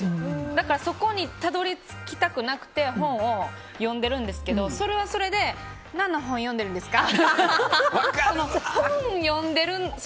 だからそこにたどり着きたくなくて本を読んでるんですけどそれはそれで何の本読んでるんですか？